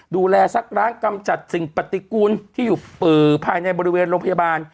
ซักร้างกำจัดสิ่งปฏิกูลที่อยู่ภายในบริเวณโรงพยาบาล